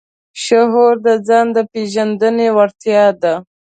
شعور د ځان د پېژندنې وړتیا ده.